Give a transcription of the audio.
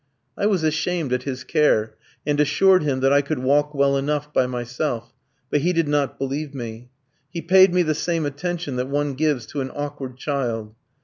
I was ashamed at his care, and assured him that I could walk well enough by myself, but he did not believe me. He paid me the same attention that one gives to an awkward child.